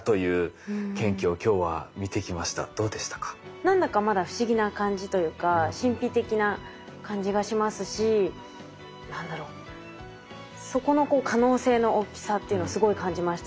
何だかまだ不思議な感じというか神秘的な感じがしますし何だろうそこの可能性の大きさっていうのはすごい感じました。